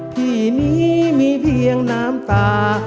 ที่นี้มีเพียงน้ำตา